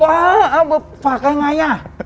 ว้าวฝากอย่างไร